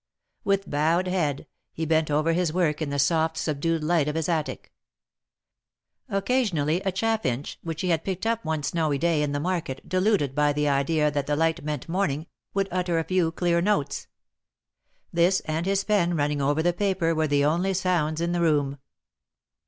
With bowed head, he bent over his work in the soft, subdued light of his attic. Occasionally a chaffinch, which he had picked up one snowy day, in the market, 156 THE MARKETS OF PARIS. deluded by the idea that the light meant morning, would utter a few clear notes. This and his pen running over the paper were the only sounds in the room.